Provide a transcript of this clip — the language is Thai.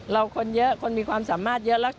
คนเยอะคนมีความสามารถเยอะ